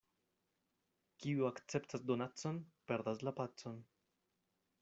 Kiu akceptas donacon, perdas la pacon.